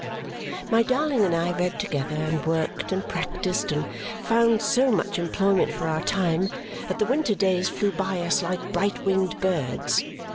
My darling and I read together, and worked, and practised, and found so much employment for our time that the winter days flew by us like bright winged birds.